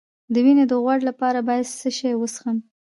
د وینې د غوړ لپاره باید څه شی وڅښم؟